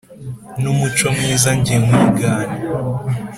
n’umuco mwiza njye nkwigana